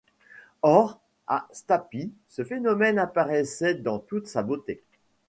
Or, à Stapi, ce phénomène apparaissait dans toute sa beauté.